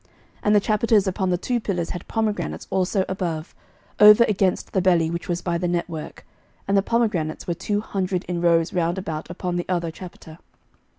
11:007:020 And the chapiters upon the two pillars had pomegranates also above, over against the belly which was by the network: and the pomegranates were two hundred in rows round about upon the other chapiter.